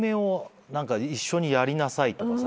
「一緒にやりなさい」とかさ。